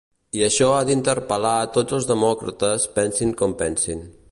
I això ha d’interpel·lar tots els demòcrates pensin com pensin.